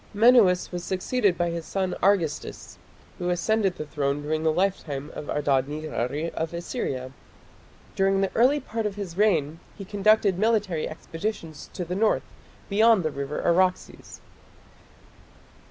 Menuas was succeeded by his son Argistis, who ascended the throne during the lifetime of Adad nirari of Assyria. During the early part of his reign he conducted military expeditions to the north beyond the river Araxes.